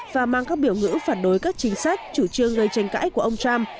và mang các biểu ngữ phản đối các chính sách chủ trương gây tranh cãi của ông trump